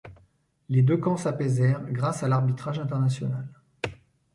Les deux camps s'apaisèrent grâce à l'arbitrage international.